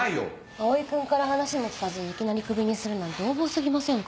蒼君から話も聞かずにいきなりクビにするなんて横暴過ぎませんか？